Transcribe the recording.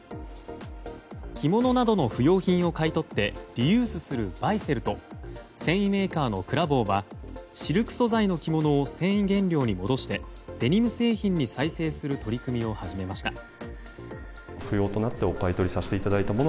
着物などの不用品を買い取ってリユースするバイセルと繊維メーカーのクラボウはシルク素材の着物を繊維原料に戻してデニム製品に再生する取り組みを始めました。